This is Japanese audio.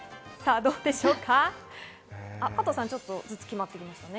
加藤さん、ちょっとずつ決まってきましたね。